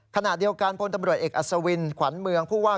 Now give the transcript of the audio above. ขณะเดียวกันพลตำรวจเอกอัศวินขวัญเมืองผู้ว่า